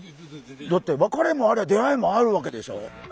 だって別れもありゃ出会いもあるわけでしょ。